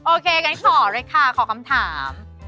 โอเคกะอย่างนี้ขอเลยค่ะขอกำถาม